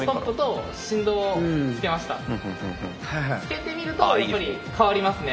つけてみるとやっぱり変わりますね。